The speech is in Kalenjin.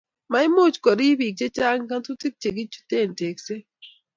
maimuch kurub biik chechang' ng'atutik ya kichutei teksee